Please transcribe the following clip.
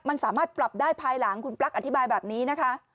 มันสามารถปรับได้ภายหลังคุณปลั๊กอธิบายแบบนี้นะคะ